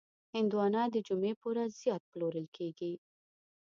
هندوانه د جمعې په ورځ زیات پلورل کېږي.